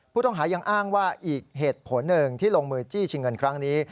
ผู้ต้องหายังอ้างว่าอีกเหตุผลหนึ่งที่ลงมือจี้ชิงเงินครั้งนี้